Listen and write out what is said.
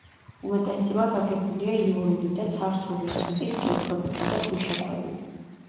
უმეტესწილად აგებულია იურული და ცარცული ასაკის კირქვებითა და ქვიშაქვებით.